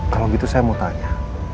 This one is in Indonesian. kalau gitu saya mau tanya